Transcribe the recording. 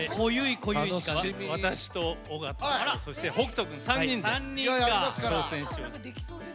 私と尾形とそして、北斗君３人で挑戦しました。